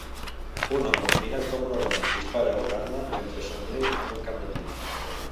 Un home mirant com una dona dispara una arma mentre somriu en un camp de tir.